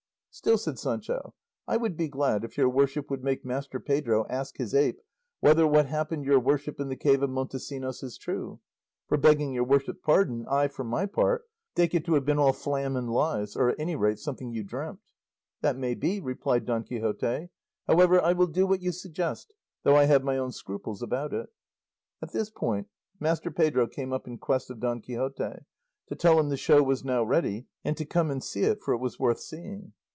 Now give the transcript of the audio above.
"Still," said Sancho, "I would be glad if your worship would make Master Pedro ask his ape whether what happened your worship in the cave of Montesinos is true; for, begging your worship's pardon, I, for my part, take it to have been all flam and lies, or at any rate something you dreamt." "That may be," replied Don Quixote; "however, I will do what you suggest; though I have my own scruples about it." At this point Master Pedro came up in quest of Don Quixote, to tell him the show was now ready and to come and see it, for it was worth seeing.